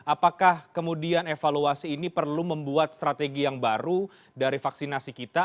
apakah kemudian evaluasi ini perlu membuat strategi yang baru dari vaksinasi kita